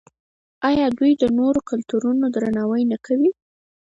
آیا دوی د نورو کلتورونو درناوی نه کوي؟